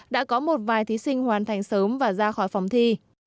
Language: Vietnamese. đã có một vài thí sinh hoàn thành sớm và ra khỏi phòng thi